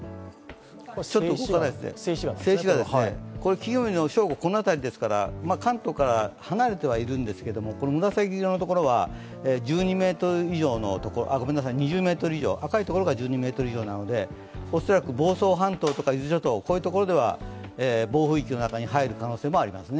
金曜日の正午、この辺りですから関東から離れてはいるんですが紫色のところは２０メートル以上、赤いところが１２メートル以上なので恐らく房総半島とか伊豆諸島は暴風域の中に入るかもしれません。